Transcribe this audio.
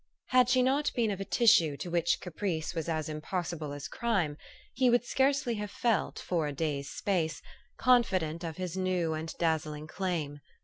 Had she not been of a tissue to which caprice was as impossible as crime, he would scarcely have felt, for a day's space, confident of his new and dazzling claim.